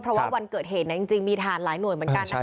เพราะวันเกิดเห็นจริงมีทหารหลายหน่วยเหมือนกัน